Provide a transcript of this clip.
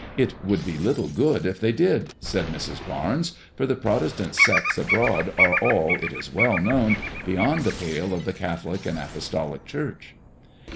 ''It would be little good if they did," said Mrs. Barnes, " for the Protestant sects abroad are all, it is well known, beyond the pale of the Catholic and Apostolic Church."